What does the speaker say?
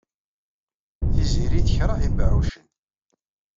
Tiziri tekṛeh ibeɛɛucen.